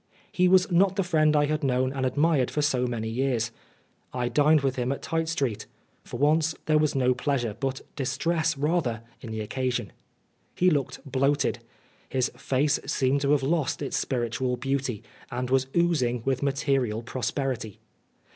He was not the friend I had known and admired for so many years. I dined with him at Tite Street : for once there was no pleasure, but distress rather, in the occasion. He looked bloated. His face seemed to have lost its spiritual beauty, and was oozing witfi material prosperity.